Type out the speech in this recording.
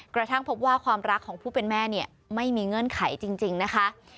กระทั่งพบว่าความรักของผู้เป็นแม่เนี่ยไม่มีเงื่อนไขจริงนะคะ